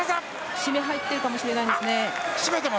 絞めに入っているかもしれないですね。